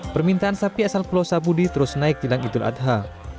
permintaan sapi asal pulau sapudi terus naik di langitul adha